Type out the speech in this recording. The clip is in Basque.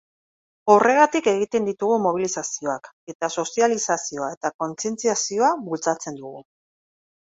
Horregatik egiten ditugu mobilizazioak, eta sozializazioa eta kontzientziazioa bultzatzen dugu.